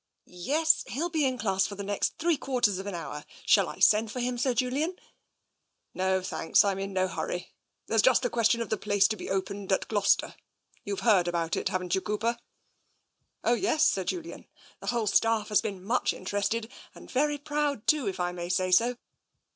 Yes. He'll be in class for the next three quarters of an hour. Shall I send for him, Sir Julian ?"" No, thanks. Tm in no hurry. There's just the question of the place to be opened at Gloucester. You've heard about it, haven't you. Cooper ?"" Oh, yes. Sir Julian. The whole staff has been much interested, and very proud too, if I may say so.